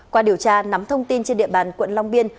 qua điều tra nắm thông tin trên địa bàn quận long biên